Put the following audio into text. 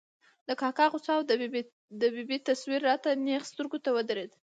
د کاکا غوسه او د ببۍ تصویر را ته نېغ سترګو ته ودرېد.